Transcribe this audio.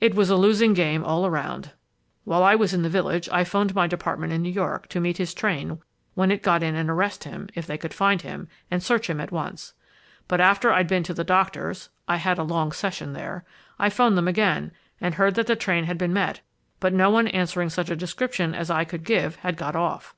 "It was a losing game all around. While I was in the village, I 'phoned my department in New York to meet his train when it got in and arrest him, if they could find him, and search him at once. But after I'd been to the doctor's (I had a long session there) I 'phoned them again and heard that the train had been met, but no one answering such description as I could give had got off.